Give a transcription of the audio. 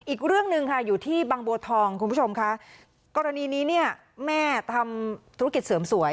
อีกเรื่องหนึ่งค่ะอยู่ที่บางบัวทองคุณผู้ชมค่ะกรณีนี้เนี่ยแม่ทำธุรกิจเสริมสวย